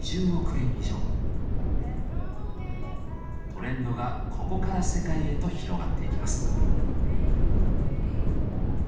トレンドがここから世界へと広がっていきます。